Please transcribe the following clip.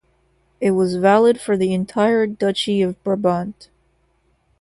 It was valid for the entire duchy of Brabant.